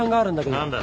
何だ？